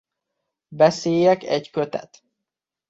Beszélyek egy kötet.